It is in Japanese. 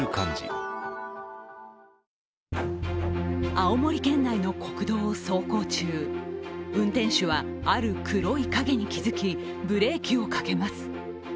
青森県内の国道を走行中、運転手はある黒い影に気づき、ブレーキをかけます。